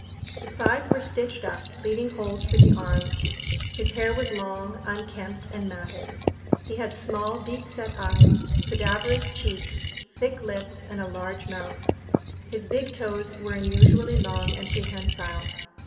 The sides were stitched up, leaving holes for the arms. His hair was long, unkempt, and matted. He had small, deep set eyes, cadaverous cheeks, thick lips, and a large mouth. His big toes were unusually long and prehensile.